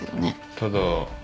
ただ。